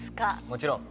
もちろん。